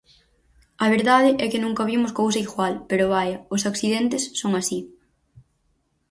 A verdade é que nunca vimos cousa igual pero vaia, os accidentes son así.